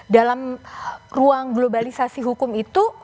dalam ruang globalisasi hukum itu